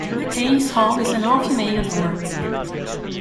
Hayes Hall is an all-female dorm.